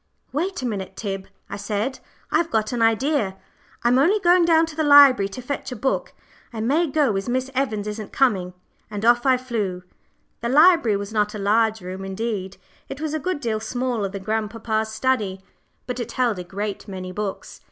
"Wait a minute, Tib," I said, "I've got an idea. I'm only going down to the library to fetch a book. I may go as Miss Evans isn't coming;" and off I flew. The library was not a large room indeed, it was a good deal smaller than grandpapa's study but it held a great many books.